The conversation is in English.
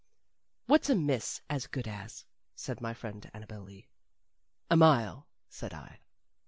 "What's a miss as good as?" said my friend Annabel Lee. "A mile," said I.